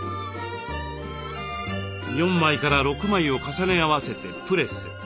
４枚から６枚を重ね合わせてプレス。